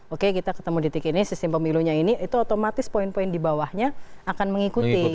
oke kita ketemu di titik ini sistem pemilunya ini itu otomatis poin poin di bawahnya akan mengikuti